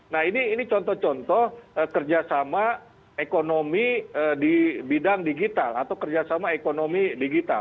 nah ini contoh contoh kerjasama ekonomi di bidang digital atau kerjasama ekonomi digital